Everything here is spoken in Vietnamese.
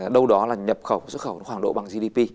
đâu đó là nhập khẩu xuất khẩu hoàng độ bằng gdp